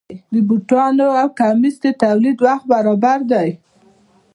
د بوټانو او کمیس د تولید وخت برابر دی.